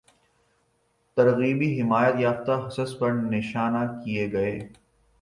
ترغیبی حمایتیافتہ حصص پر نشانہ کیے گئے